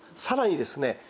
さらにですね